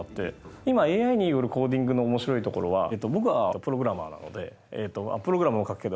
今ＡＩによるコーディングの面白いところは僕はプログラマーなのでプログラムも書くけど。